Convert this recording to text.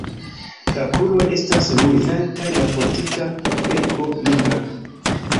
La kruroj estas ruĝaj kaj la fortika beko nigra.